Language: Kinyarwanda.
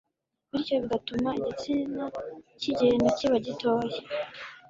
bityo bigatuma igitsina kigenda kiba gitoya